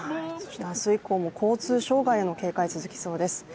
明日以降も交通障害への警戒、続きそうです。